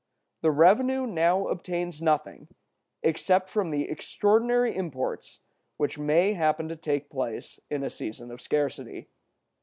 The revenue now obtains nothing, except from the extraordinary imports which may happen to take place in a season of scarcity.